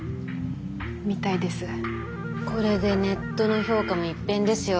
これでネットの評価も一変ですよ。